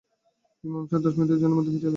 ইমাম সাহেব দশ মিনিটের মধ্যে ফিরে এলেন।